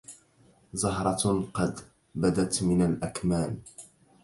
زهرة قد بدت من الأكمام